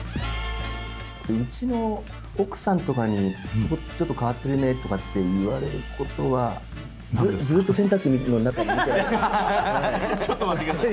うちの奥さんとかに、ちょっと変わってるねとかって言われることは、ずーっと洗濯機のちょっと待ってください。